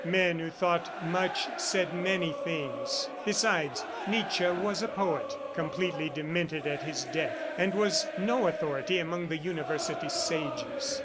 Men who thought much said many things. Besides, Nietzsche was a poet, completely demented at his death, and was no authority among the University sages.